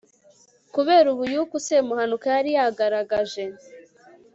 kubera ubuyuku semuhanuka yari yagaragaje